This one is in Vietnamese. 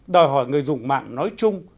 đòi hỏi người dùng mạng nói chung